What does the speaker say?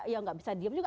ya nggak bisa diam juga